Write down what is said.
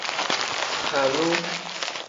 Halu.